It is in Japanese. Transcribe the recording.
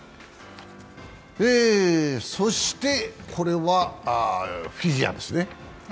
そしてこれはフィギュアですね。